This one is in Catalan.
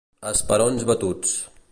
A esperons batuts.